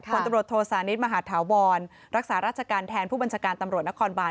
ตำรวจโทษานิทมหาธาวรรักษาราชการแทนผู้บัญชาการตำรวจนครบาน